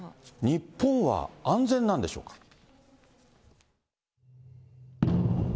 日本は安全なんでしょうか。